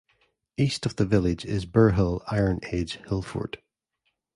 East of the village is the Burhill iron age hillfort.